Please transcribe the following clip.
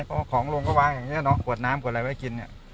เพราะของลงก็วางอย่างนี้เนาะกวดน้ำกวดอะไรไว้กินเนี่ย